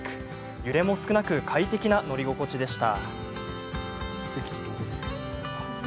揺れも少なく快適な乗り心地でした。